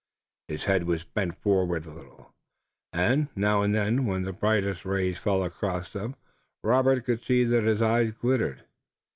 His head was bent forward a little, and now and then when the brightest rays fell across them, Robert could see that his eyes glittered.